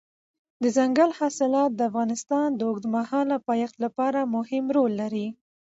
دځنګل حاصلات د افغانستان د اوږدمهاله پایښت لپاره مهم رول لري.